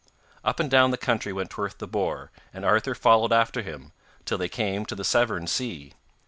Up and down the country went Trwyth the boar, and Arthur followed after him, till they came to the Severn sea.